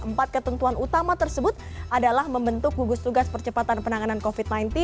empat ketentuan utama tersebut adalah membentuk gugus tugas percepatan penanganan covid sembilan belas